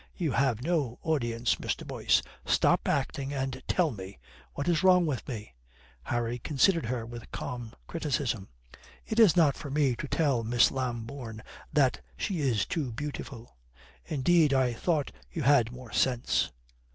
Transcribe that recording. You have no audience Mr. Boyce. Stop acting, and tell me what is wrong with me?" Harry considered her with calm criticism. "It's not for me to tell Miss Lambourne that she is too beautiful." "Indeed, I thought you had more sense."